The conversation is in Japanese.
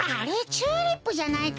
チューリップじゃないか。